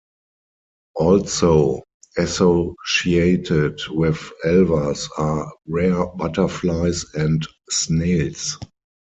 Also associated with alvars are rare butterflies and snails.